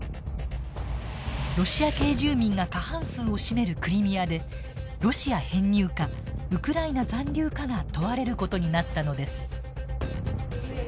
ロシア系住民が過半数を占めるクリミアでロシア編入かウクライナ残留かが問われる事になったのです。